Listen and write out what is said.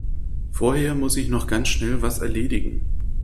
Vorher muss ich noch ganz schnell was erledigen.